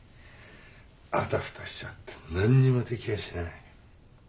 あたふたしちゃって何にもできやしない。